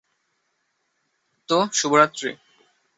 তো, শুভরাত্রি।